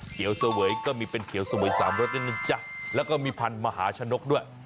เสวยก็มีเป็นเขียวเสวยสามรสด้วยนะจ๊ะแล้วก็มีพันธุ์มหาชนกด้วย